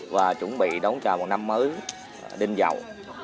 và chuẩn bị đón chào một năm mới đinh giàu